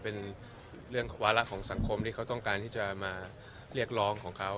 เป็นเรื่องวาระของสังคมที่เขาต้องการที่จะมาเรียกร้องของเขา